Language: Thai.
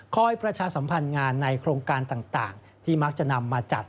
ประชาสัมพันธ์งานในโครงการต่างที่มักจะนำมาจัด